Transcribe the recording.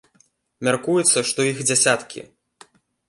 Мяркуецца, што іх дзясяткі.